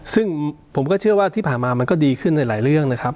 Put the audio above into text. ซึ่งผมก็เชื่อว่าที่ผ่านมามันก็ดีขึ้นในหลายเรื่องนะครับ